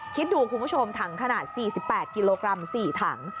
คิดดูคุณผู้ชมถังขนาด๔๘กิโลกรัม๔ถัง